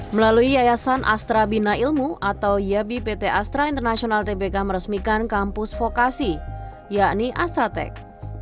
melalui yayasan astra bina ilmu atau yabi pt astra international tbk meresmikan kampus vokasi yakni astra tech